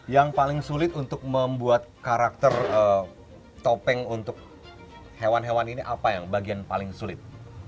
yang paling sulit untuk membuat karakter topeng untuk hewan hewan ini apa yang bagian paling sulit